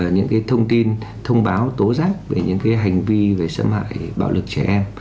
những thông tin thông báo tố giác về những hành vi về xâm hại bạo lực trẻ em